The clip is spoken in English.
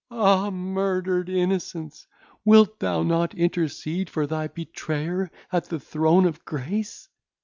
Ah, murdered innocence! wilt thou not intercede for thy betrayer at the throne of grace!"